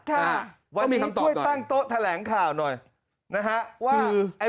แห่งชาติค่ะวันนี้ช่วยตั้งโต๊ะแถลงข่าวหน่อยนะฮะว่าคือไอ